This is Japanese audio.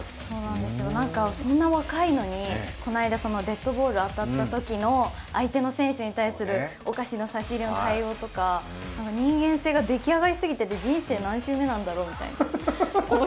そんな若いのに、この間デッドボール当たったときの相手の選手に対するお菓子の差し入れの対応とか人間性が出来上がりすぎてて人生何周目なんだろうって。